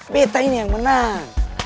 betah ini yang menang